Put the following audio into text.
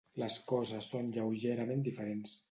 Les coses són lleugerament diferents.